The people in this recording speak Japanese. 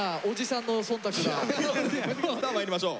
さあまいりましょう。